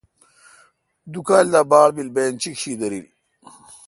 دو کال دا باڑ پیل بہ انچیک شی دریل۔